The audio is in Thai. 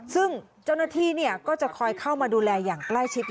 ซึ่งเจ้าหน้าที่ก็จะคอยเข้ามาดูแลอย่างใกล้ชิด